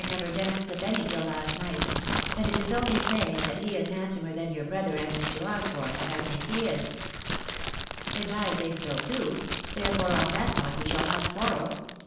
never danced with any ttU/laatraught ; and it is only raying that he is handsomer than yrair fl iiiaam and Mr. Osborne, and I' think he is/' " And I think so too, therefore <m that pohrtwe abailawrt quarrel.